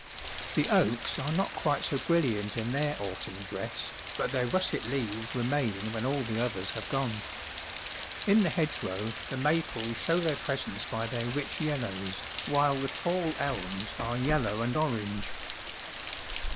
The oaks are not quite so brilliant in their autumn dress, but their russet leaves remain when all the others have gone. In the hedgerow the maples show their presence by their rich yellows, while the tall elms are yellow and orange.